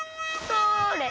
それ！